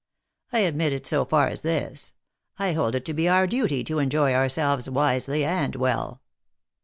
I admit it so far as this : I hold it to be our duty to en joy ourselves wisely and well.